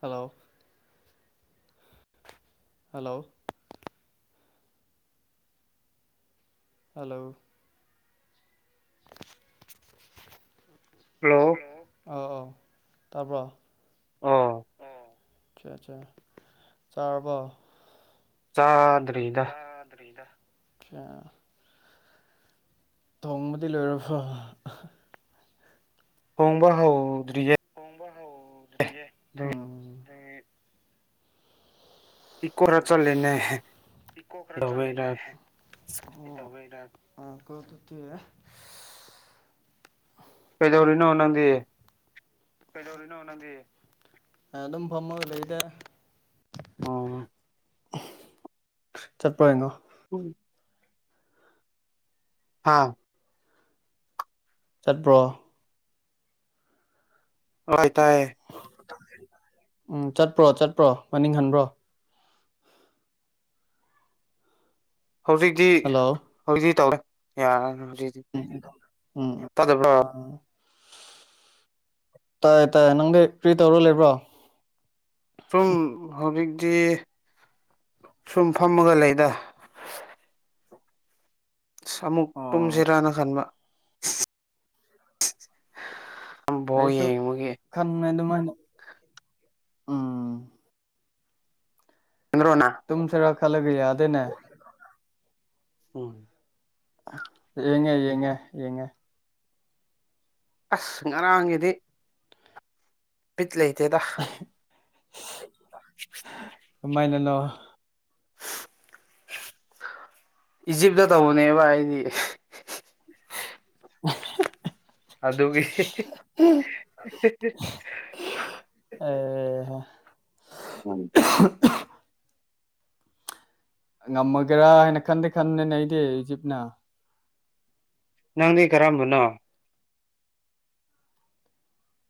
Hello hello hello hello ꯑ ꯑꯥꯎ ꯇꯥꯕ꯭ꯔꯣ ꯑꯣ ꯑꯆꯥ ꯑꯆꯥ ꯆꯥꯔꯕꯣ ꯆꯥꯗ꯭ꯔꯤꯗ ꯗꯔꯤꯗ [unintelligible] ꯑ [unintelligible] ꯇꯣꯡꯕꯗꯤ ꯂꯣꯏꯔꯕꯣ ꯊꫭꯡꯕ ꯍꯧꯗ꯭ꯔꯌ‌ꯦ ꯊꫭꯡꯕ ꯍꯧꯗꯔꯤꯌ‌ꯦ ꯏ ꯀꯔ [unintelligible] ꯆꯂꯦꯅꯦ ꯍꯋꯔ ꯀꯗꯠꯇ [unintelligible] ꯀꯩꯗꯧꯔꯤꯅꯣ ꯅꯪꯗꯤ ꯀꯩꯗꯧꯔꯤꯅꯣ ꯅꯪꯗꯤ ꯑꯩ ꯑꯗꯨꯝ ꯐꯝꯃꯒ ꯂꯩꯗ ꯑꯣ ꯆꯠꯄꯔꯥ ꯌ‌ꯦꯡꯉꯣ ꯎꯝ [unintelligible] ꯍꯥꯥ ꯆꯠꯄ꯭ꯔꯣ ꯇꯥꯏ ꯇꯥꯏꯌꯦ ꯎꯝ ꯆꯠꯄ꯭ꯔꯣ ꯆꯠꯄ꯭ꯔꯣ ꯃꯅꯤꯡ ꯍꯟꯕ꯭ꯔꯣ ꯍꯧꯖꯤꯛꯇꯤ ꯍꯜꯂꯣ ꯍꯧꯖꯤꯛꯇꯤ ꯇꯧꯔꯦ [unintelligible] ꯌꯥꯔ‌ꯦ ꯎꯝ ꯇꯗꯥꯕꯔꫭ ꯇꯥꯏꯌꯦ ꯇꯥꯏꯌꯦ ꯅꯪꯗꯤ ꯀ꯭ꯔꯤ ꯇꯧꯔ ꯂꯩꯕ꯭ꯔꯣ ꯁꯨꯝ ꯍꯧꯖꯤꯛꯇꯤ ꯁꯨꯝ ꯐꯝꯃꯒ ꯂꯩꯗ ꯑꯁ ꯑꯃꯨꯛ ꯑꯣ ꯇꯨꯝꯁꯤꯔꯥꯅ ꯈꯟꯕ ꯕꯣꯜ ꯑꯩꯁꯨ ꯌꯦꯡꯕꯒꯤ ꯈꯪꯉꯦ [unintelligible] ꯑꯗꯨꯃꯥꯏꯅ ꯎꯝ ꯆꯗ꯭ꯔꯣꯅ [unintelligible] ꯇꯨꯨꯝꯁꯤꯔ ꯈꯜꯂꯒ ꯌꯥꯗꯦꯅꯦ ꯎꯝ ꯌꯦꯡꯉꯦ ꯌꯦꯡꯉꯦ ꯌꯦꯡꯉꯦ ꯑꯁ ꯉꯔꯥꯡꯒꯤꯗꯤ ꯕꯤꯠ ꯂꯩꯇꯦꯗ ꯑꯍꯦ ꯍꯁ [unintelligible] [unintelligible] ꯀꯃꯥꯏꯅꯅꯣ ꯏꯖꯤꯞꯇ ꯇꯧꯕꯅꯦꯕ ꯑꯩꯗꯤ ꯎ [unintelligible] ꯑꯗꯨꯒꯤ ꯑꯦ [unintelligible] ꯎꯝ ꯍ [unintelligible] ꯉꯝꯃꯒꯦꯔꯥ ꯍꯥꯏꯅ ꯈꯟꯗꯤ ꯈꯟꯗꯤꯈꯟꯕꯅꯤꯅ‌ꯦ ꯑꯩꯗꯤ ꯏꯖꯤꯞꯅ ꯅꯪꯗꯤ ꯀꯔꯝꯕꯅꯣ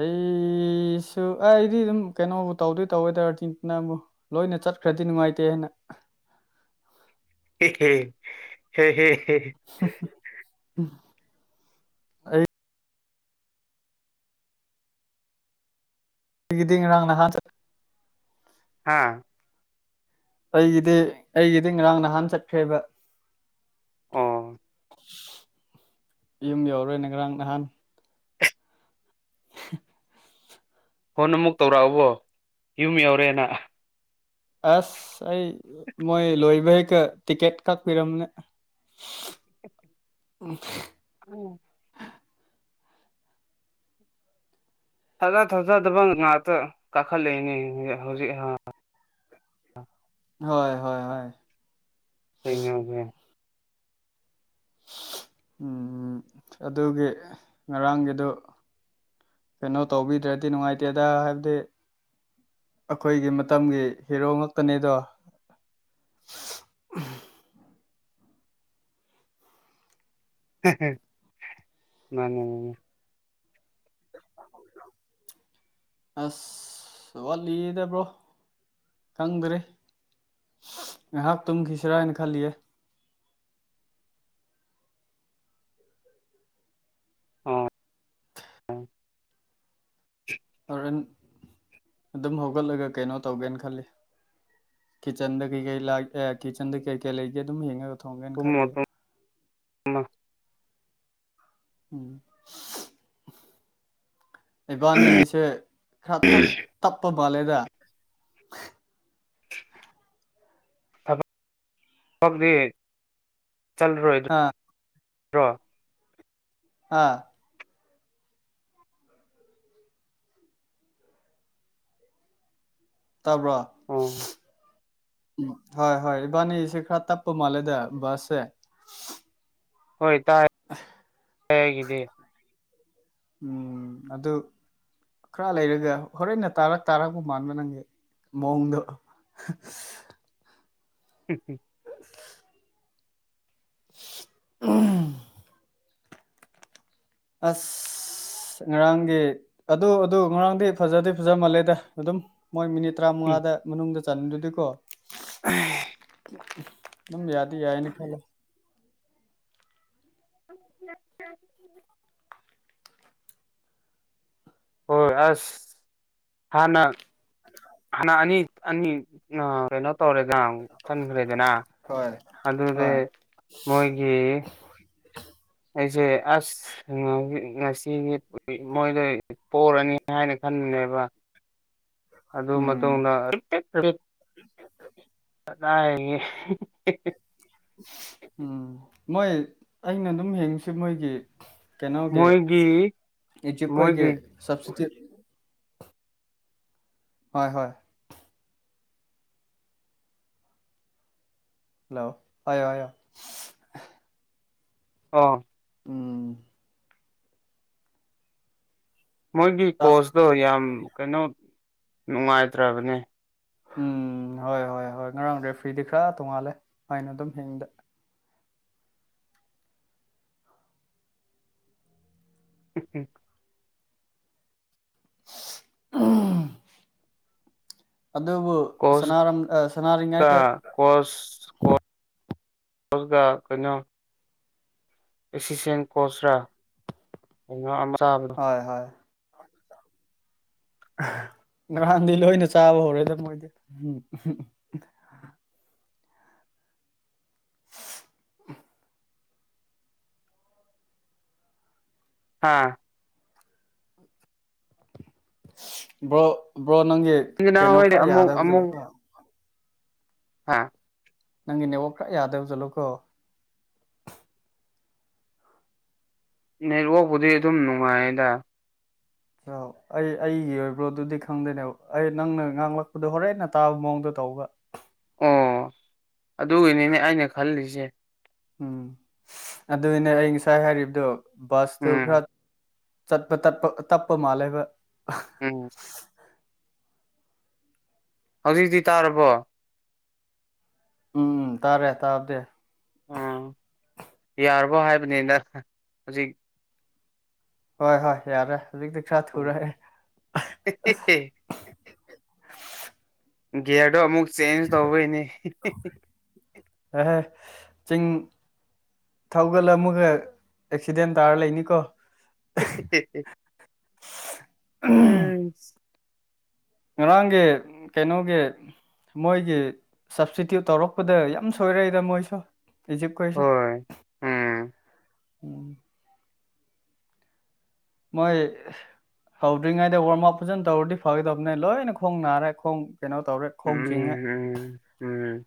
ꯑꯩꯁꯨ ꯑꯩꯗꯤ ꯑꯗꯨꯝ ꯀꯩꯅꯣꯕꯨ ꯇꯧꯗꯤ ꯇꯧꯋꯦꯗ ꯑꯔꯖ‌ꯦꯟꯇꯤꯅꯕꯨ ꯂꯣꯏꯅ ꯆꯠꯈ꯭ꯔꯗꯤ ꯅꯨꯡꯉꯥꯏꯇꯦ ꯍꯥꯏꯅ ꯍ ꯍ [unintelligible] ꯎꯝ [unintelligible] ꯑꯩꯒꯤꯗꯤ ꯉꯔꯥꯡ ꯅꯍꯥꯟ ꯆꯠ ꯍꯥꯥ ꯑꯩꯒꯤꯗꯤ ꯑꯩꯒꯤꯗꯤ ꯉꯔꯥꯡ ꯅꯍꯥꯟ ꯆꯠꯈ꯭ꯔꯦꯕ ꯑꯣ ꯌꯨꯝ ꯌꯧꯔ‌ꯦꯅꯦ ꯉꯔꯥꯡ ꯅꯍꯥꯟ [unintelligible] ꯐꯣꯟ ꯑꯃꯨꯛ ꯇꯧꯔꯛꯑꯕꯣ ꯌꯨꯝ ꯌꯧꯔꯦꯅ ꯑꯁ ꯑꯩ ꯃꯣꯏ ꯂꯣꯏꯕ ꯍꯦꯛꯒ ꯇꯤꯛꯀꯦꯠ ꯀꯛꯄꯤꯔꯝꯕꯅꯦ ꯫ [inaudible] ꯎꯝ ꯎꯝ ꯊꯥꯔ ꯊꯥꯖꯗꯕ ꯉꯥꯛꯇ ꯀꯥꯈꯠꯂꯛꯏꯅꯦ ꯍꯧꯖꯤꯛ ꯍ ꯍꯣꯏ ꯍꯣꯏ ꯍꯣꯏ [unintelligible] ꯎꯝ ꯑꯗꯨꯒꯤ ꯉꯔꯥꯡꯒꯤꯗꯨ ꯀꯩꯅꯣ ꯇꯧꯕꯤꯗ꯭ꯔꯗꯤ ꯅꯨꯡꯉꯥꯏꯇꯦꯗ ꯍꯥꯏꯕꯗꯤ ꯑꯈꯣꯏꯒꯤ ꯃꯇꯝꯒꯤ ꯍꯤꯔꯣ ꯉꯛꯇꯅꯤꯗꯣ꯫ ꯍꯦ ꯍꯦ ꯃꯥꯅꯦ ꯃꯥꯅꯦ ꯑꯁ! ꯋꯥꯠꯂꯤꯗꯕ꯭ꯔꯣ ꯈꯪꯗ꯭ꯔꯦ꯫ ꯉꯥꯏꯍꯥꯛ ꯇꯨꯝꯈꯤꯁꯤꯔꯥ ꯍꯥꯏꯅ ꯈꯜꯂꯤꯌꯦ꯫ ꯑꯣ ꯍꯣꯔꯦꯟ ꯑꯗꯨꯝ ꯍꯧꯒꯠꯂꯒ ꯀꯩꯅꯣ ꯇꯧꯒꯦꯅ ꯈꯜꯂꯤ꯫ ꯀꯤꯠꯆꯟꯗ ꯀꯩꯀꯩ ꯂꯥꯛꯑꯦ ꯀꯤꯠꯆꯟꯗ ꯀꯩ ꯀꯩ ꯂꯩꯒꯦ ꯑꯗꯨꯝ ꯌꯦꯡꯂꯒ ꯊꯣꯡꯒꯦꯅ ꯇꯨꯝꯃꯣ ꯈꯜꯂꯤꯌꯦ꯫ ꯇꯨꯝꯃꯣ ꯏꯕꯥꯅꯤꯒꯤꯁꯦ ꯈꯔ ꯇꯞ ꯇꯞꯄ ꯃꯥꯜꯂꯦꯗ꯫ ꯊꯕꯛꯗꯤ ꯑꯥ ꯆꯠꯂꯔꯣꯏꯗ꯭ꯔꯣ? ꯑꯥ ꯇꯥꯕ꯭ꯔꯣ? ꯎꯝ ꯍꯣꯏ ꯍꯣꯏ ꯏꯕꯥꯅꯤꯒꯤꯁꯤ ꯈꯔ ꯇꯞꯄ ꯃꯥꯜꯂꯦꯗ ꯕꯥꯁꯁꯦ ꯫ ꯍꯣꯏ ꯇꯥꯏ ꯑꯩꯒꯤꯗꯤ ꯎꯝ ꯑꯗꯨ ꯈꯔ ꯂꯩꯔꯒ ꯍꯣꯔꯦꯟꯅ ꯇꯥꯔꯛ ꯇꯥꯔꯛꯄ ꯃꯥꯟꯕ ꯅꯪꯒꯤ ꯃꯑꯣꯡꯗꯣ [unintelligible] [unintelligible] ꯎꯝ ꯑꯁ! ꯑꯁ ꯉꯔꯥꯡꯒꯤ ꯑꯗꯨ ꯑꯗꯨ ꯉꯔꯥꯡꯗꯤ ꯐꯖꯗꯤ ꯐꯖ ꯃꯥꯜꯂꯦꯗ ꯑꯗꯨꯝ ꯃꯣꯏ ꯃꯤꯅꯤꯠ ꯇꯔꯥꯃꯉꯥꯗ ꯃꯅꯨꯡꯗ ꯆꯟꯗ꯭ꯔꯗꯤ ꯀꯣ [unintelligible] ꯑꯗꯨꯝ ꯌꯥꯗꯤ ꯌꯥꯏꯅ ꯈꯜꯂꯦ꯫ [unintelligible] ꯍꯣꯏ ꯑꯁ ꯍꯥꯅ ꯍꯥꯟꯅ ꯑꯅꯤ ꯑꯅꯤ ꯅ ꯀꯩꯅꯣ ꯇꯧꯔꯦꯗꯅ ꯆꯟꯈ꯭ꯔꯦꯗꯅ ꯍꯣꯏ ꯍꯣꯏ ꯑꯗꯨꯗꯩ ꯃꯣꯏꯒꯤ ꯑꯩꯁꯦ ꯑꯁ ꯉꯁꯤꯗꯤ ꯃꯣꯏꯗ ꯄꯣꯔꯅꯤ ꯍꯥꯏꯅ ꯈꯟꯕꯅꯦꯕ ꯑꯗꯨ ꯎꯝ ꯃꯇꯨꯡꯗ ꯀꯗꯥꯏꯗꯒꯤ ꯎꯝ ꯃꯣꯏ ꯑꯩꯅ ꯑꯗꯨꯝ ꯍꯡꯉꯁꯤ ꯃꯣꯏꯒꯤ ꯀꯩꯅꯣꯒꯤ ꯃꯣꯏꯒꯤ ꯏꯖꯤꯞ ꯈꯣꯏꯒꯤ ꯃꯣꯏꯒꯤ ꯁꯞꯁꯁꯤꯇꯤꯌꯨꯠ ꯍꯣꯏ ꯍꯣꯏ ꯍꯜꯂꯣ [unintelligible] ꯑꯣ ꯎꯝ ꯃꯣꯏꯒꯤ ꯀꯣꯁꯇꯣ ꯌꯥꯝ ꯀꯩꯅꯣ ꯅꯨꯡꯉꯥꯏꯇ꯭ꯔꯕꯅꯦ ꯎꯝ ꯍꯣꯏ ꯍꯣꯏ ꯍꯣꯏ ꯉꯔꯥꯡꯗꯤ ꯐ꯭ꯔꯤꯗꯤ ꯈꯔ ꯇꯣꯡꯉꯥꯜꯂꯦ ꯍꯥꯏꯅ ꯑꯗꯨꯝ ꯍꯤꯡꯗ [inaudible] ꯎꯝ ꯑꯗꯨꯕꯨ ꯀꯣꯁ ꯁꯅꯥꯔꯝ ꯀ ꯁꯅꯥꯔꯤꯉꯩꯗ ꯀꯣꯁ ꯀꯣꯣ ꯀꯩꯅꯣ ꯑꯦꯁꯤꯁꯇꯦꯟ ꯀꯣꯆꯔ ꯍꯣꯏ ꯍꯣꯏ ꯉꯔꯍꯥꯟꯗꯤ ꯂꯣꯏꯅ ꯆꯥꯕ ꯍꯧꯔꯣꯏꯦꯗꯕ ꯃꯣꯏꯗꯤ ꯎꯝ [unintelligible] ꯑꯥ ꯕ꯭ꯔꯣ ꯕ꯭ꯔꯣ ꯅꯪꯒꯤ ꯏꯟꯖꯅꯥ ꯀꯩꯅꯣ ꯍꯣꯏꯗꯤ ꯈꯔ ꯑꯃꯨꯛ ꯌꯥꯗꯕꯁꯨ ꯀꯣ ꯍꯥꯥ ꯅꯪꯒꯤ ꯅꯦꯠꯋꯔꯥꯛ ꯈꯔ ꯌꯥꯗꯕ ꯖꯠꯂꯨꯀꯣ ꯅꯦꯠꯋꯥꯛꯄꯨꯗꯤ ꯑꯗꯨꯝ ꯅꯨꯡꯉꯥꯏꯗ ꯆꯥꯎ ꯑꯩ ꯑꯩꯒꯤ ꯑꯣꯏꯕ꯭ꯔꯣ ꯑꯗꯨꯗꯤ ꯈꯪꯗꯅꯦꯕ ꯑꯩ ꯅꯪꯅ ꯉꯥꯡꯂꯛꯄꯗꯣ ꯍꯣꯔꯦꯟꯅ ꯇꯥꯕ ꯃꯑꯣꯡꯗ ꯇꯧꯕ ꯑꯣ ꯑꯗꯨꯒꯤꯅꯤꯅꯦ ꯑꯩꯅ ꯈꯜꯂꯤꯁꯦ ꯎꯝ ꯑꯗꯨꯅꯦ ꯑꯩ ꯉꯁꯥꯏ ꯍꯥꯏꯔꯤꯕꯗꯨꯣ ꯕꯁꯇꯨ ꯎꯝ ꯈꯔ ꯆꯠꯄ ꯇꯠꯄ ꯇꯞꯄ ꯃꯥꯜꯂꯦꯕ ꯎꯝ ꯍꯧꯖꯤꯛꯇꯤ ꯇꯥꯔꯕꯣ ꯎꯝ ꯎꯝ ꯇꯥꯔꯦ ꯇꯥꯗꯦ ꯎꯝ ꯌꯥꯔꯕꯣ ꯍꯥꯏꯕꯅꯤꯅ ꯍꯧꯖꯤꯛ ꯍꯣꯏ ꯍꯣꯏ ꯌꯥꯔꯦ ꯍꯧꯖꯤꯛꯇꯤ ꯈꯔ ꯊꯨꯔꯛꯑꯦ ꯑꯦ ꯒꯤꯌꯥꯔꯗꯣ ꯑꯃꯨꯛ ꯆꯦꯟꯖ ꯇꯧꯕꯩꯅꯦ ꯑꯦ ꯆꯤꯡ ꯊꯧꯒꯜ ꯑꯃꯒ ꯑꯦꯛꯁꯤꯗꯦꯟ ꯇꯥꯔ ꯂꯩꯅꯤꯀꯣ [inaudible] ꯎꯝ ꯉꯔꯥꯡꯒꯤ ꯀꯩꯅꯣꯒꯤ ꯃꯣꯏꯒꯤ ꯁꯞꯁꯇꯤꯇ꯭ꯌꯨꯠ ꯇꯧꯔꯛꯄꯗ ꯌꯥꯝ ꯁꯣꯏꯔꯛꯏꯗ ꯃꯣꯏꯁꯨ ꯏꯖꯤꯞ ꯀꯣꯏꯁ ꯍꯣꯏ ꯎꯝ ꯃꯣꯏ ꯍꯧꯗ꯭ꯔꯤꯉꯩꯗ ꯋꯥꯔꯝ ꯑꯞ ꯐꯖꯅ ꯇꯧꯔꯗꯤ ꯐꯒꯗꯕꯅꯦ ꯂꯣꯏꯅ ꯈꯣꯡ ꯅꯥꯔꯦ ꯈꯣꯡ ꯀꯩꯅꯣ ꯇꯧꯔꯦ ꯎꯝ ꯈꯣꯡ ꯆꯤꯡꯉꯦ ꯎꯝ ꯎꯝ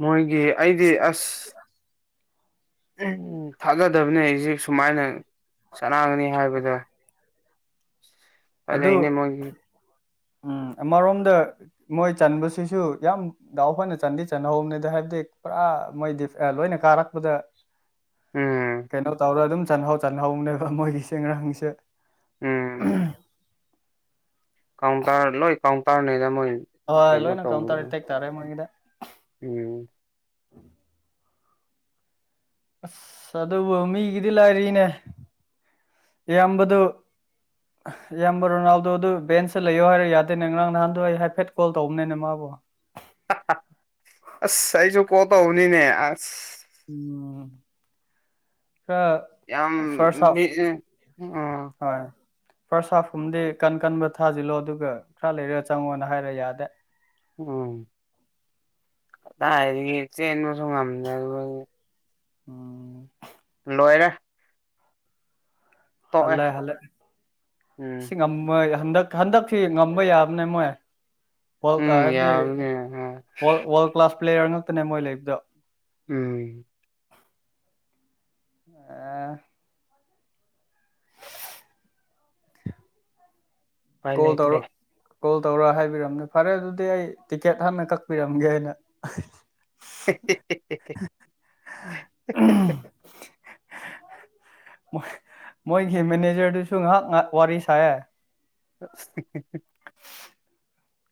ꯃꯣꯏꯒꯤ ꯑꯩꯗꯤ ꯑꯁ [inaudible] ꯊꯥꯅꯗꯕꯅꯤ ꯑꯩꯁꯤꯦ ꯁꯨꯃꯥꯏꯅ ꯆꯅꯥꯒꯅꯤ ꯍꯥꯏꯕꯗꯣ [inaudible] ꯑꯗꯨ ꯎꯝ ꯑꯃꯔꯣꯝꯗ ꯃꯣꯏ ꯆꯟꯕꯁꯤꯁꯨ ꯌꯥꯝ ꯗꯥꯎꯈꯣꯏꯅ ꯆꯟꯗꯤ ꯆꯟꯍꯧꯕꯅꯤꯗ ꯍꯥꯏꯕꯗꯤ ꯄꯨꯔꯥ ꯃꯣꯏꯗꯤ ꯂꯣꯏꯅ ꯀꯥꯔꯛꯄꯗ ꯎꯝ ꯀꯩꯅꯣ ꯇꯧꯔ ꯑꯗꯨꯝ ꯆꯥꯟꯍꯧ ꯆꯍꯧꯅꯦꯕ ꯃꯣꯏꯒꯤ ꯆꯦꯡꯔꯥꯡꯁꯦ ꯎꯝ ꯀꯥꯎꯟꯇꯔ ꯂꯣꯏ ꯀꯥꯎꯟꯔꯗ ꯍꯣꯏ ꯂꯣꯏꯅ ꯀꯥꯎꯟꯇꯔ ꯑꯇꯦꯛ ꯇꯔꯦ ꯃꯅꯤꯡꯒꯗ ꯎꯝ ꯑꯁ ꯑꯗꯨꯕꯨ ꯃꯤꯒꯤꯗꯤ ꯂꯥꯏꯔꯤꯅꯦ ꯑꯌꯥꯝꯕꯗꯨ ꯑ ꯏꯌꯥꯝꯕ ꯔꯣꯅꯥꯜꯗꯣ ꯑꯗꯨ ꯕꯦꯟꯁꯇ ꯂꯩꯌꯣ ꯍꯥꯏꯔ ꯌꯥꯗꯦꯅꯦ ꯉꯔꯥꯡ ꯅꯍꯥꯟꯗꯣ ꯑꯩ ꯍꯥꯏꯐꯦꯠ ꯀꯣꯜ ꯇꯧꯕꯅꯤꯅꯦ ꯃꯥꯕꯨꯣ ꯑꯁ ꯑꯩꯁꯨ ꯀꯣ ꯇꯧꯅꯤꯅꯦ ꯑꯁ ꯎꯝ ꯑ ꯌꯥꯝ ꯎꯝ ꯍꯣꯏ ꯐꯥꯔꯁ ꯍꯥꯐꯀꯨꯝꯕꯗꯤ ꯀꯟ ꯀꯟꯕ ꯊꯥꯖꯤꯜꯂꯣ ꯑꯗꯨꯒ ꯈꯔ ꯂꯩꯔꯒ ꯆꯪꯉꯣꯅ ꯍꯥꯏꯔ ꯌꯥꯗꯦ ꯎꯝꯗꯥꯏꯗꯤ ꯆꯦꯟꯕꯁꯨ ꯉꯝꯗꯦ ꯑꯗꯨꯒ ꯎꯝ ꯂꯣꯏꯔꯦ ꯇꯣꯛꯑꯦ ꯍꯜꯂꯑ ꯍꯜꯂꯛ ꯎꯝ ꯁꯤꯝꯃ ꯍꯟꯗꯛ ꯍꯟꯗꯛꯁꯤ ꯉꯝꯕ ꯌꯥꯕꯅꯦ ꯃꯣꯏ ꯎꯝ ꯍꯥꯏꯕꯗꯤ ꯌꯥꯕꯅꯦ ꯀ꯭ꯂꯥꯁ ꯄ꯭ꯂꯦꯌꯔ ꯉꯥꯛꯛꯇꯅꯦ ꯃꯣꯏ ꯂꯩꯕꯗꯣ ꯎꯝ ꯑ ꯎꯄꯥꯏ ꯀꯣꯜ ꯂꯩꯇ꯭ꯔꯦ ꯇꯧꯔꯣ ꯀꯣꯜ ꯇꯧꯔ ꯍꯥꯏꯕꯤꯔꯝꯅꯦ ꯐꯔꯦ ꯑꯗꯨꯗꯤ ꯑꯩ ꯇꯤꯛꯀꯦꯠ ꯍꯥꯟꯅ ꯀꯛꯄꯤꯔꯝꯒꯦ ꯑꯅ ꯎꯝ ꯃꯣꯏꯒꯤ ꯃꯦꯅꯦꯖꯔꯗꯨꯁꯨ ꯉꯥꯏꯍꯥꯛ ꯉꯥꯏꯍꯥꯛ ꯋꯥꯔꯤ ꯁꯥꯏꯦ ꯁꯤ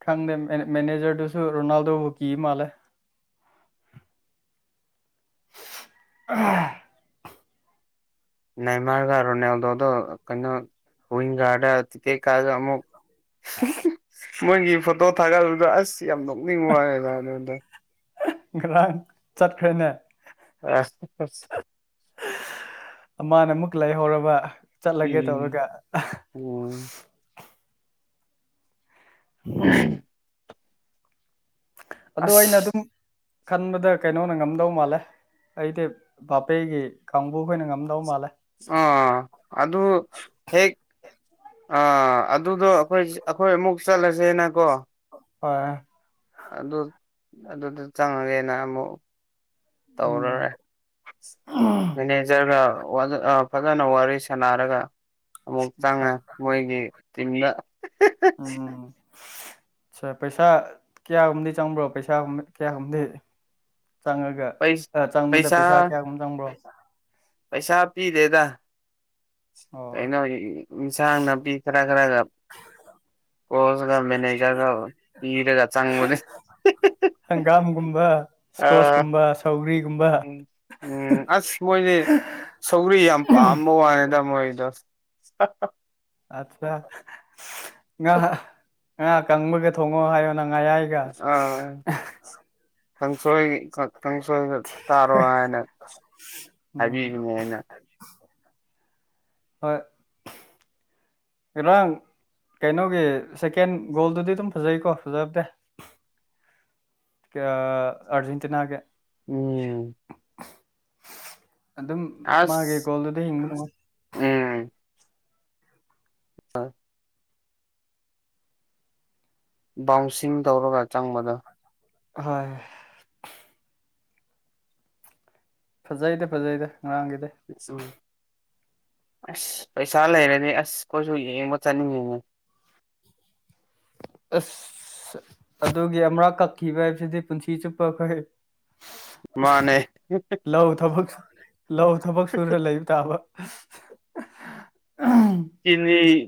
ꯈꯪꯗꯦ ꯃꯦꯅꯦꯖꯔꯗꯨꯁꯨ ꯔꯣꯅꯥꯜꯗꯣ ꯍꯨꯀꯤ ꯃꯥꯜꯂꯦ ꯑꯥ ꯅꯥꯏꯃꯥꯔꯒ ꯔꯣꯅꯦꯜꯗꯣꯗ ꯀꯩꯅꯣ ꯀꯋꯤꯡꯒꯥꯗ ꯇꯤꯀꯦꯛ ꯀꯥꯑꯒ ꯑꯃꯨꯛ ꯃꯣꯏꯒꯤ ꯐꯣꯇꯣ ꯊꯥꯒꯠꯂꯨꯗ ꯑꯁ ꯌꯥꯝ ꯅꯣꯛꯅꯤꯡ ꯋꯥꯦꯗ ꯑꯗꯨꯣꯟꯗ ꯒ꯭ꯔꯥꯡ ꯆꯠꯈ꯭ꯔꯦꯅꯦ ꯑ ꯃꯥꯅ ꯑꯃꯨꯛ ꯂꯩꯍꯧꯔꯕ ꯆꯠꯂꯒꯦ ꯎꯝ ꯇꯧꯔꯒ ꯑꯣ ꯎꯝ ꯑꯗꯣ ꯑꯩꯅ ꯑꯁ ꯑꯗꯨꯝ ꯈꯟꯕꯗ ꯀꯩꯅꯣꯅ ꯉꯝꯗꯧ ꯃꯥꯜꯂꯦ ꯑꯩꯗꯤ ꯕꯥꯥꯄꯦꯒꯤ ꯀꯥꯡꯕꯨꯈꯣꯏꯅ ꯉꯝꯗꯧ ꯃꯥꯜꯂꯦ ꯑ ꯑꯗꯨꯗ ꯍꯦ ꯑꯥ ꯑꯗꯨꯗꯣ ꯑꯩꯈꯣꯏ ꯑꯩꯈꯣꯏ ꯑꯃꯨꯛ ꯆꯠꯂꯁꯦꯅꯀꯣ ꯍ ꯑꯗꯨ ꯑꯗꯨꯗ ꯆꯪꯉꯒꯦꯅ ꯑꯃꯨꯛ ꯎꯝ ꯇꯧꯔꯔꯦ ꯃꯦꯅꯦꯖꯔꯒ ꯐꯖꯅ ꯋꯥꯔꯤ ꯁꯥꯟꯅꯔꯒ ꯑꯃꯨꯛ ꯑꯆꯥ ꯆꯪꯉ ꯃꯣꯏꯒꯤ ꯇꯤꯝꯗ ꯑ ꯑ ꯄꯩꯁꯥ ꯀꯌꯥꯒꯨꯝꯗꯤ ꯆꯪꯕ꯭ꯔꯣ ꯄꯩꯁꯥꯒ ꯀꯌꯥꯒꯨꯝꯗꯤ ꯆꯪꯉꯒ ꯆꯪꯕꯗ ꯄꯩꯁꯥ ꯀꯌꯥꯒꯨꯝ ꯆꯪꯕ꯭ꯔꯣ ꯄꯩꯁꯥ ꯄꯤꯗꯦꯗ ꯑꯣ ꯀꯩꯅꯣ ꯏꯟꯁꯥꯡ ꯅꯥꯄꯤ ꯈꯔ ꯈꯔꯒ ꯀꯣꯆꯒ ꯃꯦꯅꯦꯖꯔꯒ ꯄꯤꯔꯒ ꯆꯪꯕꯅꯤ ꯍꯪꯒꯥꯝꯒꯨꯝꯕ ꯑ ꯁꯀꯣꯁꯀꯨꯝꯕ ꯁꯧꯒ꯭ꯔꯤꯒꯨꯝꯕ ꯎꯝ ꯑꯁ ꯃꯣꯏꯅꯦ ꯁꯧꯔꯤ ꯌꯥꯝ ꯄꯥꯝꯕ ꯋꯥꯅꯤ ꯇꯃꯣꯣꯏꯗꯣ ꯑꯠ ꯉꯥ ꯉꯥ ꯀꯪꯕꯒ ꯊꯣꯡꯉꯣ ꯍꯥꯏꯌꯣ ꯅꯪ ꯉꯥꯌꯥꯏ ꯑ ꯀꯟꯁꯒꯤ ꯀꯟꯁ ꯆꯥꯔꯣ ꯍꯥꯏꯅ ꯎꯝ ꯍꯥꯏꯕꯤꯒꯅꯦ ꯑꯩꯅ ꯏꯔꯥꯡ ꯀꯩꯅꯣꯒꯤ ꯁꯦꯀꯦꯟ ꯒꯣꯜꯗꯨꯗꯤ ꯑꯗꯨꯝ ꯐꯖꯩꯀꯣ ꯐꯖꯕꯗꯦ ꯀ ꯑꯔꯖꯦꯟꯇꯤꯅꯥꯒꯦ ꯎꯝ ꯑꯗꯨꯝ ꯃꯥꯒꯦ ꯑꯁ ꯀꯣꯜꯗꯨꯗ ꯍꯤꯡꯕ ꯎꯝ [unintelligible] ꯕꯥꯎꯟꯁꯤꯡ ꯇꯧꯔꯒ ꯆꯪꯕꯗ ꯍꯣꯏ ꯐꯖꯩꯗꯤ ꯐꯖꯩꯗ ꯉꯔꯥꯡꯒꯤꯗꯤ ꯎꯝ ꯑꯁ ꯄꯩꯁꯥ ꯂꯩꯔꯅꯤ ꯑꯁ ꯑꯈꯣꯏꯁꯨ ꯌꯦꯡꯕ ꯆꯠꯅꯤꯡꯉꯤꯅꯦ ꯑꯁ ꯑꯗꯨꯒꯤ ꯑꯃꯔꯥꯛ ꯀꯛꯈꯤꯕ ꯍꯥꯏꯕꯁꯤꯗꯤ ꯄꯨꯟꯁꯤ ꯆꯨꯞꯄ ꯐꯩ ꯃꯥꯅꯦ ꯂꯧ ꯊꯕꯛ ꯂꯧ ꯊꯕꯛ ꯁꯨꯔ ꯂꯩꯕ ꯇꯥꯕ [unintelligible] ꯆꯤꯅꯤ